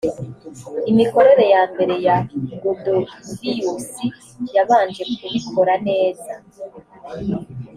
imikorere ya mbere ya godovius yabanje kubikora neza